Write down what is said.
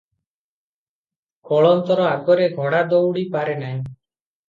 କଳନ୍ତର ଆଗରେ ଘୋଡ଼ା ଦଉଡ଼ି ପାରେ ନାହିଁ ।